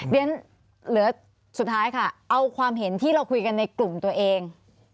เรียนเหลือสุดท้ายค่ะเอาความเห็นที่เราคุยกันในกลุ่มตัวเอง